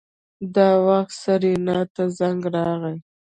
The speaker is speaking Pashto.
دا وخت سېرېنا ته زنګ راغی.